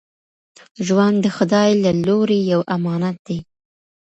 ژوند د خدای له لوري یو امانت دی.